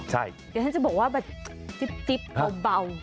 เดี๋ยวฉันจะบอกว่าแบบจิ๊บเบา